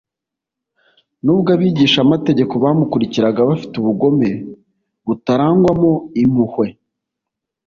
nubwo abigishamategeko bamukurikiraga bafite ubugome butarangwamo impuhwe,